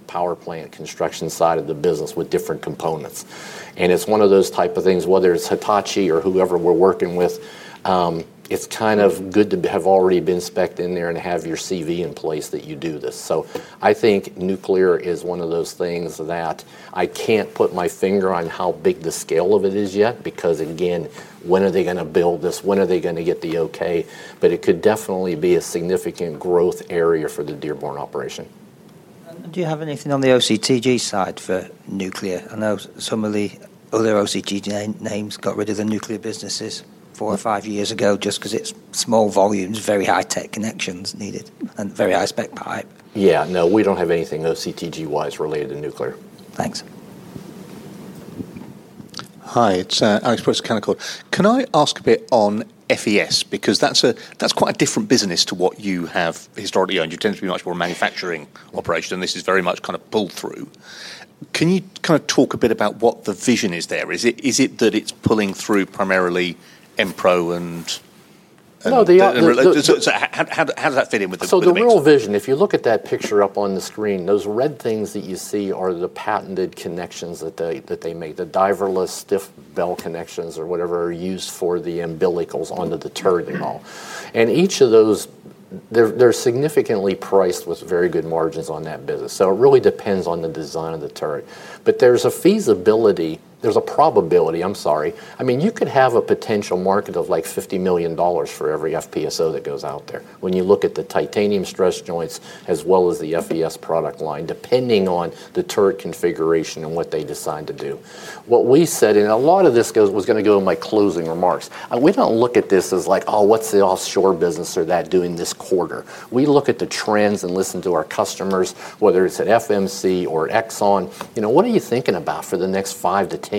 Power plant construction side of the business with different components. It's one of those types of things, whether it's Hitachi or whoever we're working with, it's kind of good to have already been specced in there and have your CV in place that you do this. I think nuclear is one of those things that I can't put my finger on how big the scale of it is yet because again, when are they going to build this? When are they going to get the okay? It could definitely be a significant growth area for the Dearborn operation. Do you have anything on the OCTG side for nuclear? I know some of the other OCTG names got rid of the nuclear businesses four or five years ago just because it's small volumes, very high-tech connections needed, and very high-spec pipe. Yeah, no, we don't have anything OCTG-wise related to nuclear. Thanks. Hi, it's Alex Brooks of Canaccord. Can I ask a bit on FES? Because that's quite a different business to what you have historically owned. You tend to be much more manufacturing operation, and this is very much kind of pull-through. Can you talk a bit about what the vision is there? Is it that it's pulling through primarily Enpro and? No, the other. How does that fit in with the vision? The real vision, if you look at that picture up on the screen, those red things that you see are the patented connections that they make. The diverless stiff bell connections or whatever are used for the umbilicals onto the turret and all. Each of those, they're significantly priced with very good margins on that business. It really depends on the design of the turret. There's a probability, I'm sorry. I mean, you could have a potential market of like $50 million for every FPSO that goes out there. When you look at the titanium stress joints as well as the FES product line, depending on the turret configuration and what they decide to do. What we said, and a lot of this was going to go in my closing remarks, we don't look at this as like, oh, what's the offshore business or that doing this quarter? We look at the trends and listen to our customers, whether it's at FMC or Exxon. You know, what are you thinking about for the next five to ten years?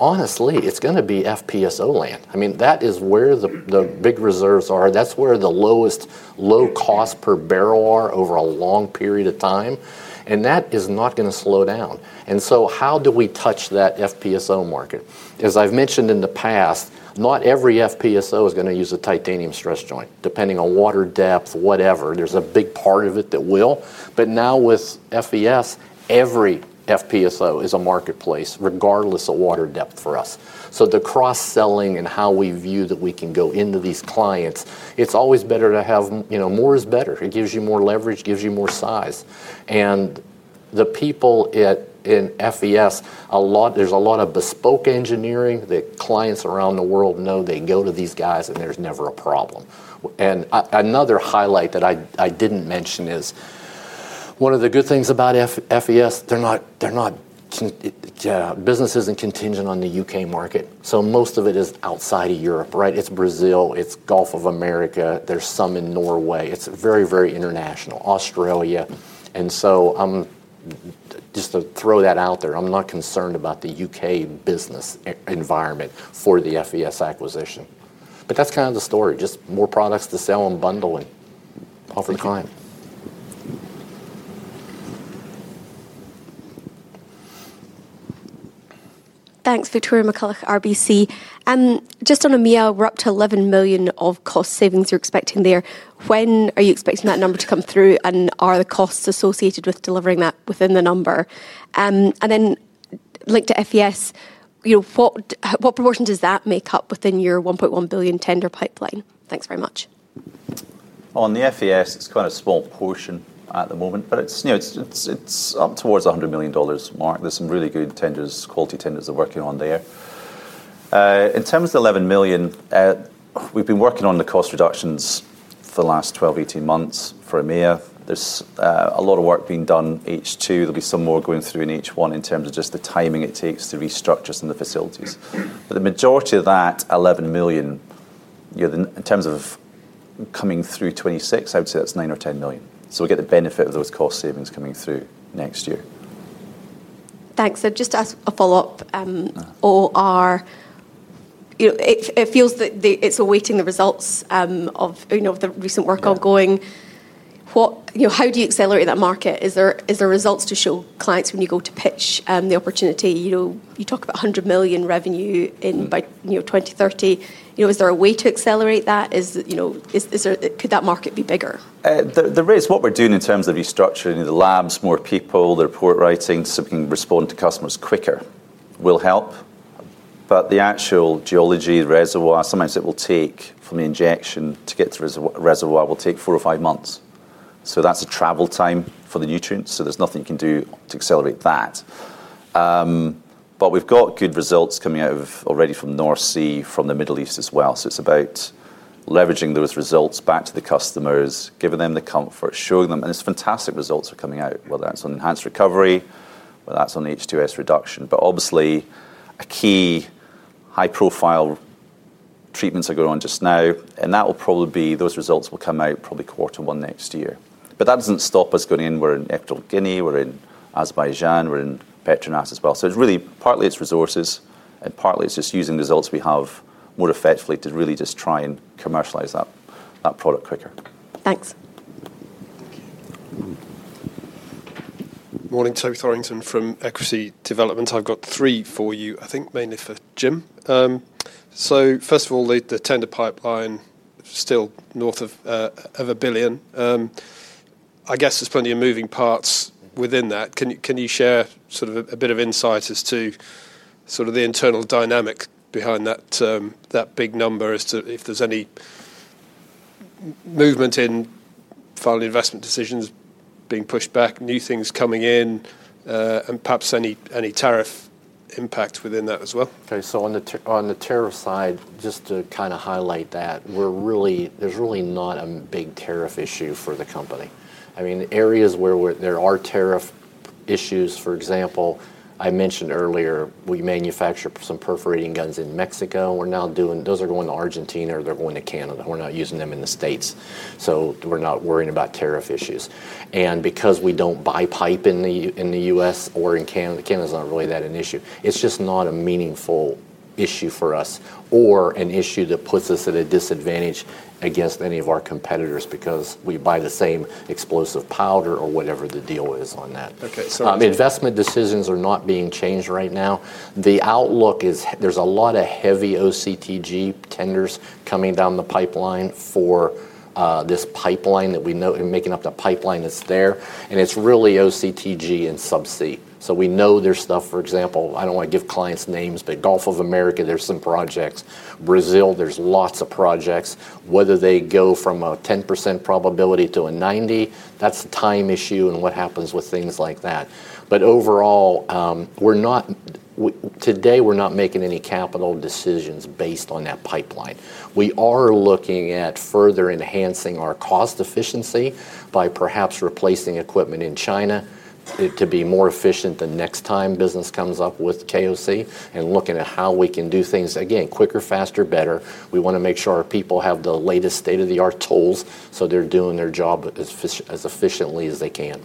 Honestly, it's going to be FPSO land. That is where the big reserves are. That's where the lowest low cost per barrel are over a long period of time. That is not going to slow down. How do we touch that FPSO market? As I've mentioned in the past, not every FPSO is going to use a titanium stress joint, depending on water depth, whatever. There's a big part of it that will. Now with FES, every FPSO is a marketplace regardless of water depth for us. The cross-selling and how we view that we can go into these clients, it's always better to have, you know, more is better. It gives you more leverage, gives you more size. The people in FES, a lot, there's a lot of bespoke engineering that clients around the world know. They go to these guys and there's never a problem. Another highlight that I didn't mention is one of the good things about FES, they're not businesses contingent on the U.K. market. Most of it is outside of Europe, right? It's Brazil, it's Gulf of America, there's some in Norway. It's very, very international, Australia. I'm just to throw that out there, I'm not concerned about the U.K. business environment for the FES acquisition. That's kind of the story, just more products to sell and bundle and offer the client. Thanks, Victoria McCulloch, RBC. Just on EMEA, we're up to $11 million of cost savings you're expecting there. When are you expecting that number to come through, and are the costs associated with delivering that within the number? Linked to FES, what proportion does that make up within your $1.1 billion tender pipeline? Thanks very much. On the FES, it's quite a small portion at the moment, but it's up towards the $100 million mark. There are some really good tenders, quality tenders they're working on there. In terms of the $11 million, we've been working on the cost reductions for the last 12-18 months for EMEA. There's a lot of work being done in H2. There will be some more going through in H1 in terms of just the timing it takes to restructure some of the facilities. The majority of that $11 million, in terms of coming through 2026, I would say that's $9 million or $10 million. We'll get the benefit of those cost savings coming through next year. Thanks. I'd just ask a follow-up. OOR, you know, it feels that it's awaiting the results of the recent work ongoing. How do you accelerate that market? Is there results to show clients when you go to pitch the opportunity? You talk about $100 million revenue in 2030. You know, is there a way to accelerate that? Could that market be bigger? There is. What we're doing in terms of restructuring the labs, more people, the report writing, so we can respond to customers quicker, will help. The actual geology, the reservoir, sometimes it will take from the injection to get to the reservoir, will take four or five months. That's a travel time for the nutrients. There's nothing you can do to accelerate that. We've got good results coming out already from the North Sea and from the Middle East as well. It's about leveraging those results back to the customers, giving them the comfort, showing them, and it's fantastic results are coming out, whether that's on enhanced oil recovery or whether that's on the H2S reduction. Obviously, key high-profile treatments are going on just now. Those results will probably come out quarter one next year. That doesn't stop us going in. We're in Equatorial Guinea, we're in Azerbaijan, we're in [PETRONAS] as well. It's really partly resources and partly just using the results we have more effectively to really just try and commercialize that product quicker. Thanks. Morning, [Tom Thorrington] from Equity Development. I've got three for you, I think mainly for Jim. First of all, the tender pipeline is still north of a billion. I guess there's plenty of moving parts within that. Can you share a bit of insight as to the internal dynamic behind that big number, if there's any movement in final investment decisions being pushed back, new things coming in, and perhaps any tariff impacts within that as well? Okay, so on the tariff side, just to kind of highlight that, we're really, there's really not a big tariff issue for the company. I mean, areas where there are tariff issues, for example, I mentioned earlier, we manufacture some perforating guns in Mexico. We're now doing, those are going to Argentina, or they're going to Canada. We're not using them in the States. We're not worrying about tariff issues. Because we don't buy pipe in the U.S. or in Canada, Canada's not really that an issue. It's just not a meaningful issue for us or an issue that puts us at a disadvantage against any of our competitors because we buy the same explosive powder or whatever the deal is on that. Okay, so. Investment decisions are not being changed right now. The outlook is there's a lot of heavy OCTG tenders coming down the pipeline for this pipeline that we know and making up that pipeline is there. It's really OCTG and subsea. We know there's stuff, for example, I don't want to give clients' names, but Gulf of America, there's some projects. Brazil, there's lots of projects. Whether they go from a 10% probability to a 90%, that's a time issue and what happens with things like that. Overall, today we're not making any capital decisions based on that pipeline. We are looking at further enhancing our cost efficiency by perhaps replacing equipment in China to be more efficient the next time business comes KOC and looking at how we can do things again, quicker, faster, better. We want to make sure our people have the latest state-of-the-art tools so they're doing their job as efficiently as they can.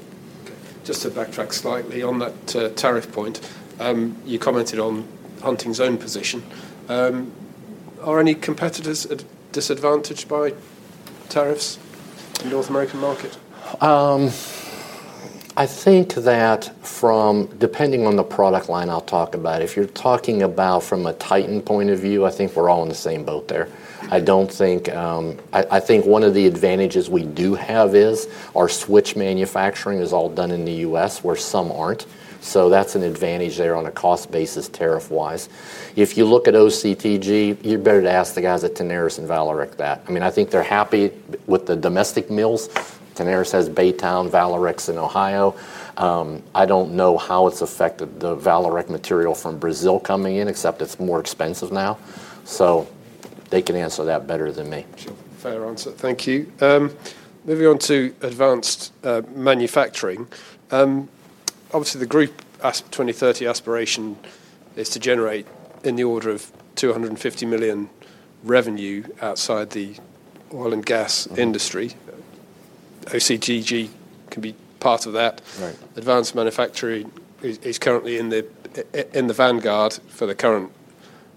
Okay, just to backtrack slightly on that tariff point, you commented on Hunting's own position. Are any competitors disadvantaged by tariffs in the North American market? I think that from depending on the product line I'll talk about, if you're talking about from a Titan point of view, I think we're all in the same boat there. I don't think, I think one of the advantages we do have is our switch manufacturing is all done in the U.S. where some aren't. That's an advantage there on a cost basis tariff-wise. If you look at OCTG, you'd better ask the guys at Tenaris and Vallourec that. I mean, I think they're happy with the domestic mills. Tenaris has Baytown, Vallourec's in Ohio. I don't know how it's affected the Vallourec material from Brazil coming in, except it's more expensive now. They can answer that better than me. Sure. Fair answer. Thank you. Moving on to Advanced Manufacturing. Obviously, the group 2030 aspiration is to generate in the order of $250 million revenue outside the oil and gas industry. OCTG can be part of that. Advanced Manufacturing is currently in the vanguard for the current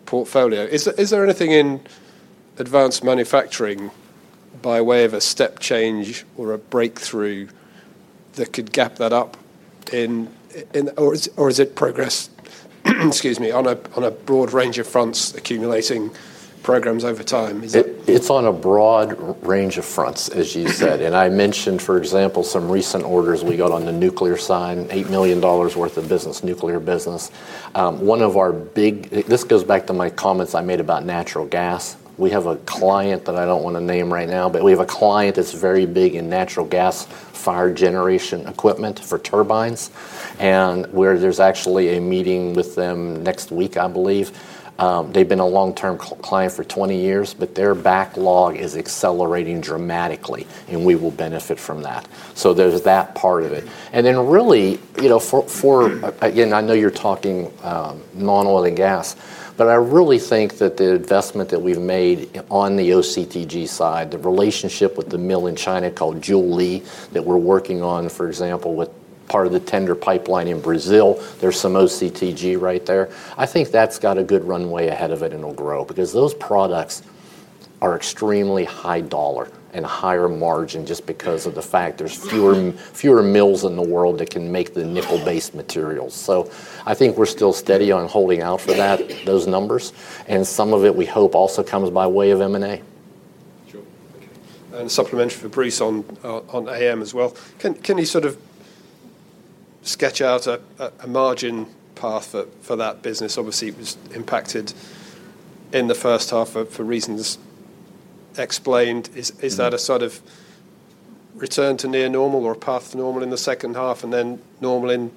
portfolio. Is there anything in Advanced Manufacturing by way of a step change or a breakthrough that could gap that up? Or is it progress, excuse me, on a broad range of fronts accumulating programs over time? It's on a broad range of fronts, as you said. I mentioned, for example, some recent orders we got on the nuclear side, $8 million worth of nuclear business. One of our big, this goes back to my comments I made about natural gas. We have a client that I don't want to name right now, but we have a client that's very big in natural gas fire generation equipment for turbines. There's actually a meeting with them next week, I believe. They've been a long-term client for 20 years, but their backlog is accelerating dramatically, and we will benefit from that. There's that part of it. Really, for, again, I know you're talking non-oil and gas, but I really think that the investment that we've made on the OCTG side, the relationship with the mill in China called [Jiu Lee] that we're working on, for example, with part of the tender pipeline in Brazil, there's some OCTG right there. I think that's got a good runway ahead of it and it'll grow because those products are extremely high dollar and higher margin just because of the fact there's fewer mills in the world that can make the nickel-based materials. I think we're still steady on holding out for those numbers. Some of it we hope also comes by way of M&A. Sure. Okay. Supplementary for Bruce on AM as well. Can you sort of sketch out a margin path for that business? Obviously, it was impacted in the first half for reasons explained. Is that a sort of return to near normal or a path to normal in the second half and then normal in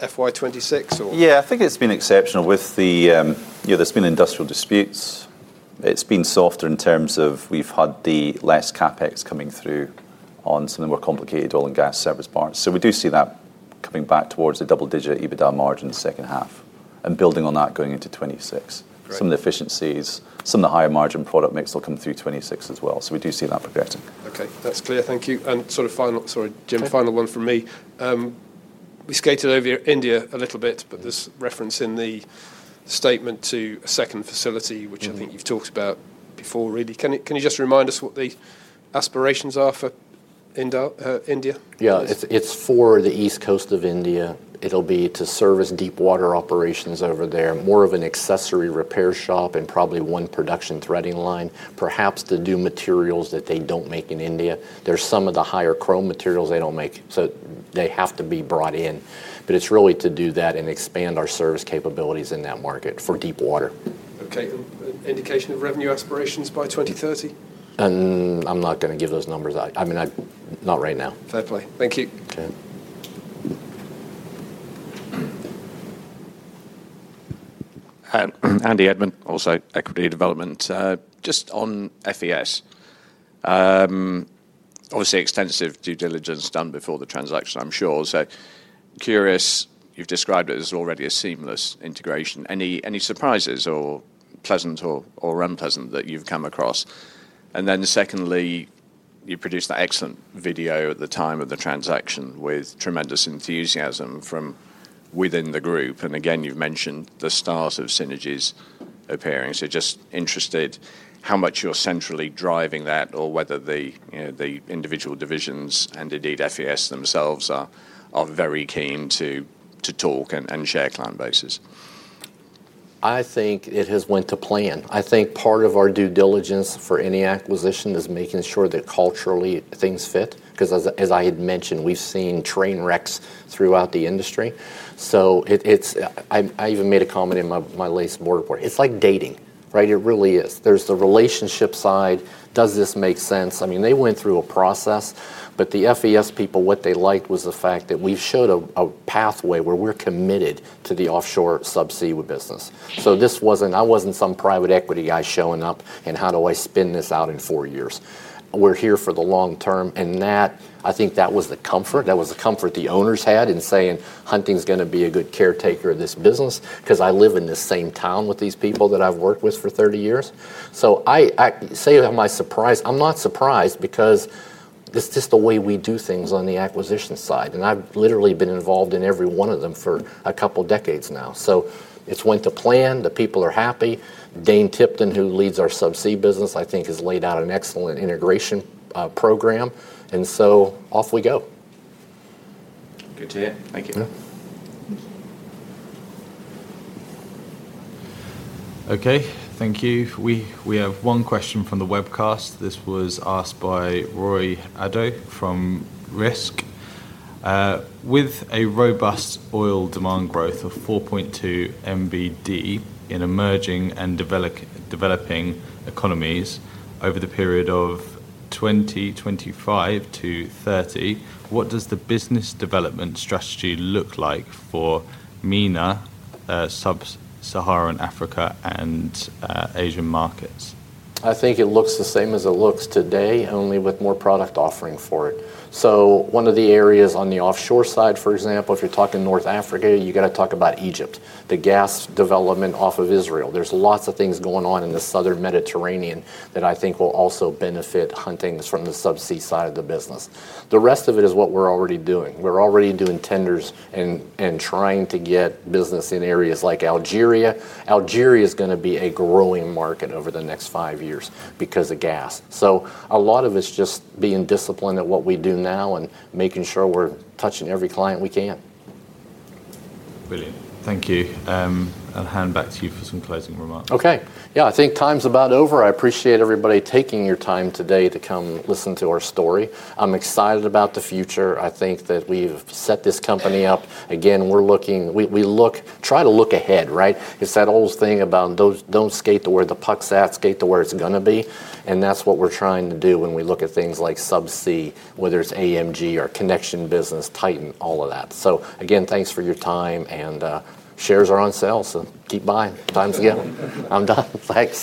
FY 2026? I think it's been exceptional with the, you know, there's been industrial disputes. It's been softer in terms of we've had less CapEx coming through on some of the more complicated oil and gas service parts. We do see that coming back towards the double-digit EBITDA margin in the second half and building on that going into 2026. Some of the efficiencies, some of the higher margin product mix will come through 2026 as well. We do see that projecting. Okay, that's clear. Thank you. Sorry, Jim, final one from me. We skated over India a little bit, but this reference in the statement to a second facility, which I think you've talked about before, really. Can you just remind us what the aspirations are for India? Yeah, it's for the East Coast of India. It'll be to service deep water operations over there, more of an accessory repair shop and probably one production threading line, perhaps to do materials that they don't make in India. There are some of the higher chrome materials they don't make, so they have to be brought in. It's really to do that and expand our service capabilities in that market for deep water. Okay, indication of revenue aspirations by 2030? I'm not going to give those numbers out. I mean, not right now. Fair play. Thank you. Okay. Andy Edmond, also Equity Development. Just on FES. Obviously, extensive due diligence done before the transaction, I'm sure. Curious, you've described it as already a seamless integration. Any surprises or pleasant or unpleasant that you've come across? Secondly, you produced that excellent video at the time of the transaction with tremendous enthusiasm from within the group. You've mentioned the stars of synergies appearing. Interested how much you're centrally driving that or whether the individual divisions and indeed FES themselves are very keen to talk and share client bases. I think it has went to plan. I think part of our due diligence for any acquisition is making sure that culturally things fit, because as I had mentioned, we've seen train wrecks throughout the industry. I even made a comment in my latest board report. It's like dating, right? It really is. There's the relationship side. Does this make sense? I mean, they went through a process, but the FES people, what they liked was the fact that we've showed a pathway where we're committed to the offshore subsea business. This wasn't, I wasn't some private equity guy showing up and how do I spin this out in four years. We're here for the long term. That, I think that was the comfort. That was the comfort the owners had in saying Hunting's going to be a good caretaker of this business because I live in the same town with these people that I've worked with for 30 years. I say, am I surprised? I'm not surprised because this is just the way we do things on the acquisition side. I've literally been involved in every one of them for a couple of decades now. It's went to plan. The people are happy. Dane Tipton, who leads our subsea business, I think has laid out an excellent integration program. Off we go. Good to hear. Thank you. Okay, thank you. We have one question from the webcast. This was asked by Roy Addo from Risk. With a robust oil demand growth of 4.2 MBD in emerging and developing economies over the period of 2025 to 2030, what does the business development strategy look like for MENA, Sub-Saharan Africa, and Asian markets? I think it looks the same as it looks today, only with more product offering for it. One of the areas on the offshore side, for example, if you're talking North Africa, you got to talk about Egypt, the gas development off of Israel. There's lots of things going on in the Southern Mediterranean that I think will also benefit Hunting from the subsea side of the business. The rest of it is what we're already doing. We're already doing tenders and trying to get business in areas like Algeria. Algeria is going to be a growing market over the next five years because of gas. A lot of it's just being disciplined at what we do now and making sure we're touching every client we can. Brilliant. Thank you. I'll hand back to you for some closing remarks. Okay. I think time's about over. I appreciate everybody taking your time today to come listen to our story. I'm excited about the future. I think that we've set this company up. Again, we try to look ahead, right? It's that old thing about don't skate to where the puck's at, skate to where it's going to be. That's what we're trying to do when we look at things like subsea, whether it's AMG or connection business, Titan, all of that. Again, thanks for your time and shares are on sale, so keep buying. Time's getting out. I'm done. Thanks.